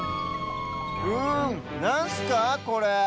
うんなんすかこれ？